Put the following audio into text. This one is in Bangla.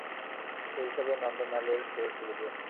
সেই হিসাবে নন্দলালের সে গুরুজন।